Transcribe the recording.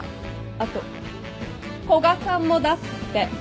あと古賀さんも出すって。